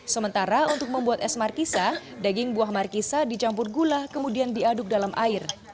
sementara untuk membuat es markisa daging buah markisa dicampur gula kemudian diaduk dalam air